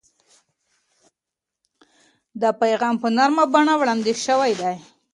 دا پیغام په نرمه بڼه وړاندې شوی دی.